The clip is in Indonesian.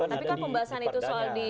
tapi kan pembahasan itu soal di